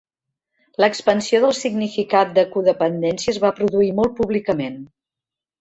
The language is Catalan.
L'expansió del significat de codependència es va produir molt públicament.